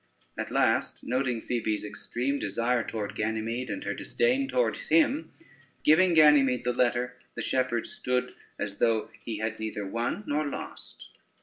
At last, noting Phoebe's extreme desire toward Ganymede and her disdain towards him, giving Ganymede the letter, the shepherd stood as though he had neither won nor lost.